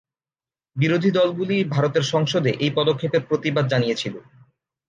বিরোধী দলগুলি ভারতের সংসদে এই পদক্ষেপের প্রতিবাদ জানিয়েছিল।